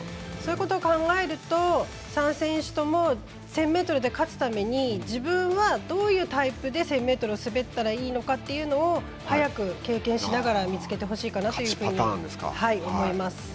そういうことを考えると３選手とも１０００ｍで勝つために自分は、どういうタイプで１０００ｍを滑ったらいいのかというのを早く経験しながら見つけてほしいかなというふうに思います。